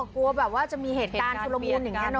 กลัวแบบว่าจะมีเหตุการณ์ทุรมูล